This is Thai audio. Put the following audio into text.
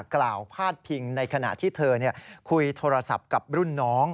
กล่าวพาดพิงในขณะที่เธอเนี่ยคุยโทรศัพท์กับรุ่นน้อง